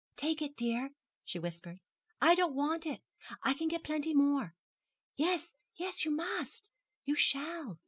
'Take it, dear,' she whispered; 'I don't want it, I can get plenty more. Yes, yes, you must; you shall.